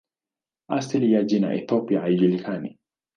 Asili ya jina "Ethiopia" haijulikani.